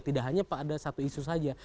tidak hanya pada satu isu saja